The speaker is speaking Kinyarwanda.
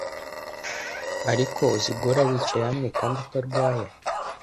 Ariko uzi guhora wicaye hamwe kandi utarwaye